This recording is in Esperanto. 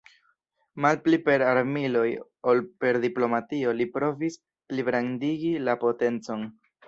Malpli per armiloj ol per diplomatio li provis pligrandigi la potencon.